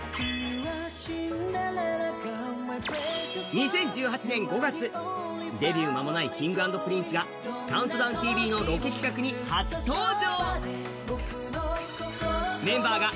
２０１８年５月、デビュー間もないＫｉｎｇ＆Ｐｒｉｎｃｅが「ＣＤＴＶ」のロケ企画に初登場。